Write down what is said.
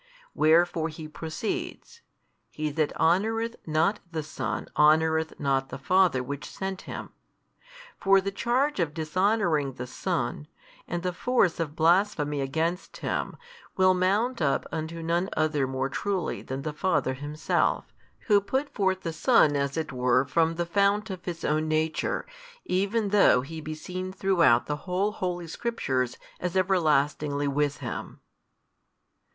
Wherefore He proceeds, He that honoureth not the Son honoureth not the Father which sent Him. For the charge of dishonouring the Son, and the force of blasphemy against Him, will mount up unto none other more truly than the Father Himself, Who put forth the Son as it were from the |264 Fount of His Own Nature, even though He be seen throughout the whole Holy Scriptures as everlastingly with Him.